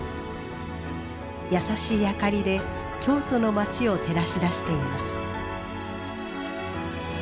優しい明かりで京都の街を照らし出しています。